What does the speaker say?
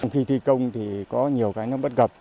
khi thi công thì có nhiều cái nó bất cập